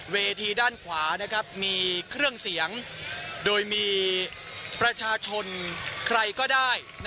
เวทีด้านขวามีเครื่องเสียงโดยมีประชาชนใครก็ได้